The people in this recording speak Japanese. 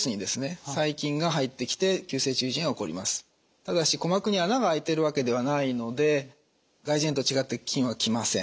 ただし鼓膜に穴が開いてるわけではないので外耳炎と違って菌は来ません。